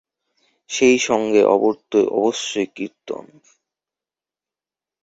সেই সঙ্গে অবশ্যই কীর্তন।